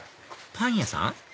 パン屋さん？